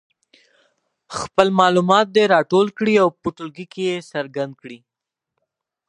خپل معلومات دې راټول کړي او په ټولګي کې یې څرګند کړي.